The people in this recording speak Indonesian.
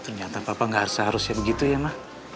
ternyata papa gak seharusnya begitu ya ma